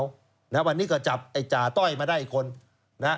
วันนี้ก็จับจ่าต้อยมาได้คน